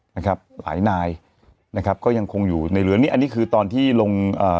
นะครับหลายนายนะครับก็ยังคงอยู่ในเรือนี่อันนี้คือตอนที่ลงเอ่อ